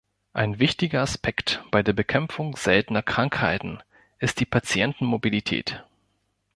Ein wichtiger Aspekt bei der Bekämpfung seltener Krankheiten ist die Patientenmobilität.